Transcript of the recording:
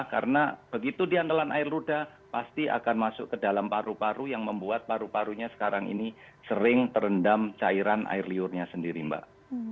karena begitu dia nelan air ludah pasti akan masuk ke dalam paru paru yang membuat paru parunya sekarang ini sering terendam cairan air liurnya sendiri mbak